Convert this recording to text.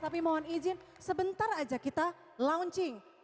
tapi mohon izin sebentar aja kita launching